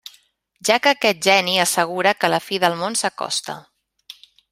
Ja que aquest geni assegura que la fi del món s'acosta.